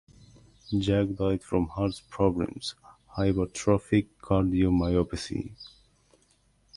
Jack died from heart problems (hypertrophic cardiomyopathy).